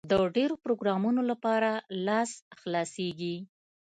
د ډېرو پروګرامونو لپاره لاس خلاصېږي.